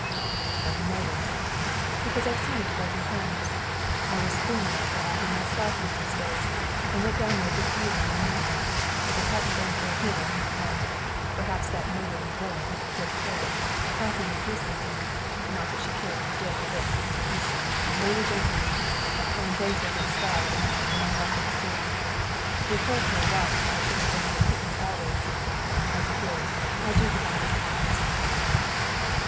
"How do you know this?" "Because I've seen it a dozen times. I was spooney after Afy myself in those days, and went down there a good deal in an evening. If it hadn't been for him, and perhaps that murdering villain, Dick Hare, Afy would have listened to me. Not that she cared for Dick; but, you see, they were gentlemen. I am thankful to the stars, now, for my luck in escaping her. With her for a wife, I should have been in a pickle always; as it is, I do get out of it once in a while."